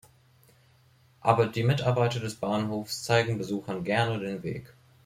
Aber die Mitarbeiter des Bahnhofs zeigen Besuchern gerne den Weg.